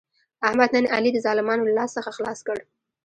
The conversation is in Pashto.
احمد نن علي د ظالمانو له لاس څخه خلاص کړ.